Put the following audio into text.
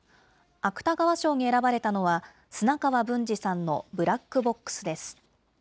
芥川賞に選ばれたのは、砂川文次さんのブラックボックスです。